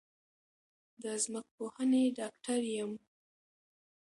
د ځمکپوهنې ډاکټر یم